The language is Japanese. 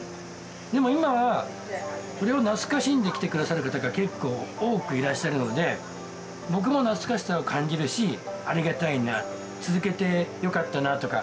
でも今はそれを懐かしんで来てくださる方が結構多くいらっしゃるので僕も懐かしさを感じるしありがたいな続けてよかったなとか。